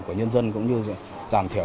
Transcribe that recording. của nhân dân cũng như giảm thiểu